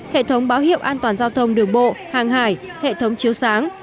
hệ thống báo hiệu an toàn giao thông đường bộ hàng hải hệ thống chiếu sáng